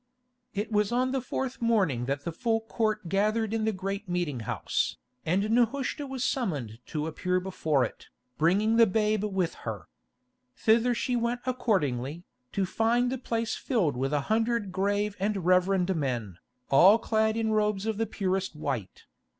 It was on the fourth morning that the full Court gathered in the great meeting house, and Nehushta was summoned to appear before it, bringing the babe with her. Thither she went accordingly, to find the place filled with a hundred grave and reverend men, all clad in robes of the purest white.